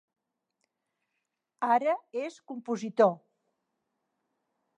Ara és compositor.